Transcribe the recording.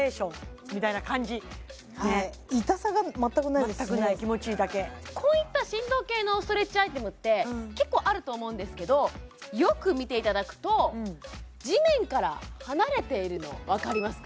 うんホンマに全くない気持ちいいだけこういった振動系のストレッチアイテムって結構あると思うんですけどよく見ていただくと地面から離れているのわかりますか？